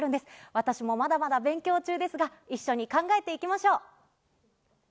私もまだまだ勉強中ですが、一緒に考えていきましょう。